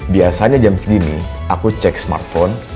biasanya jam segini aku cek smartphone